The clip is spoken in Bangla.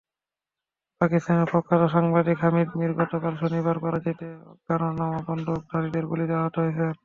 পাকিস্তানের প্রখ্যাত সাংবাদিক হামিদ মির গতকাল শনিবার করাচিতে অজ্ঞাতনামা বন্দুকধারীদের গুলিতে আহত হয়েছেন।